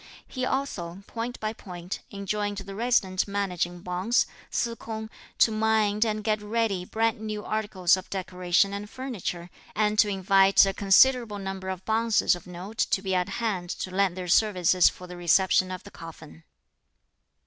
He also, point by point, enjoined the resident managing bonze, Se K'ung, to mind and get ready brand new articles of decoration and furniture, and to invite a considerable number of bonzes of note to be at hand to lend their services for the reception of the coffin.